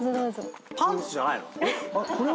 パンツじゃないの？